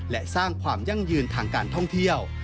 และสร้างความยั่งยืนทางการท่องเที่ยว